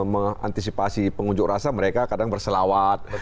mengantisipasi pengunjuk rasa mereka kadang berselawat